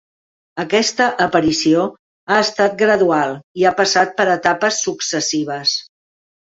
Aquesta aparició ha estat gradual i ha passat per etapes successives.